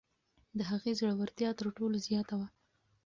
د هغې زړورتیا تر ټولو زیاته وه.